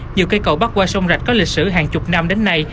nhiều cây cầu bắc qua sông rạch có lịch sử hàng chục năm đến nay